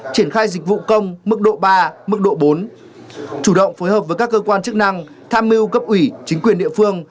triển khai dịch vụ công mức độ ba mức độ bốn chủ động phối hợp với các cơ quan chức năng tham mưu cấp ủy chính quyền địa phương